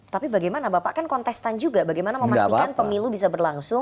tapi bagaimana bapak kan kontestan juga bagaimana memastikan pemilu bisa berlangsung